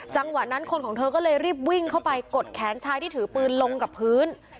จังหวะนั้นคนของเธอก็เลยรีบวิ่งเข้าไปกดแขนชายที่ถือปืนลงกับพื้น